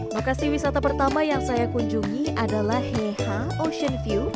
makasih wisata pertama yang saya kunjungi adalah heha ocean view